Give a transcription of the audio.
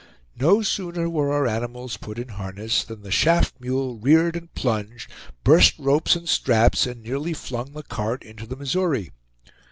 No sooner were our animals put in harness, than the shaft mule reared and plunged, burst ropes and straps, and nearly flung the cart into the Missouri.